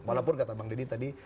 walaupun kata bang deddy tadi